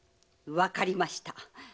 わかりました。